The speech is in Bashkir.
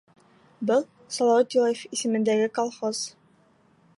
Был Салауат Юлаев исемендәге колхоз.